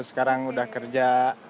sekarang udah kerja